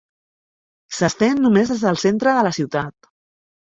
S'estén només des del centre de la ciutat.